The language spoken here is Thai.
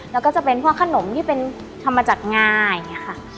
แล้วก็จะเป็นพวกขนมที่เป็นธรรมจัดง่ายอย่างนี้ค่ะ